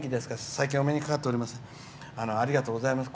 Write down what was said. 最近、お目にかかっておりません。